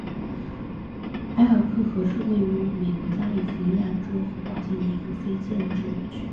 埃尔克河是位于美国加利福尼亚州洪堡县的一个非建制地区。